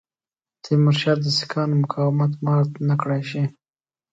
تیمورشاه د سیکهانو مقاومت مات نه کړای شي.